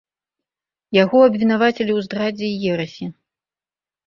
Яго абвінавацілі ў здрадзе і ерасі.